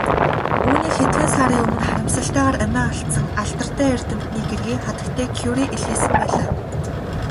Үүнийг хэдхэн сарын өмнө харамсалтайгаар амиа алдсан алдартай эрдэмтний гэргий хатагтай Кюре илгээсэн байлаа.